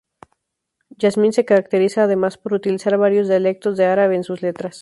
Yasmine se caracteriza además por utilizar varios dialectos de árabe en sus letras.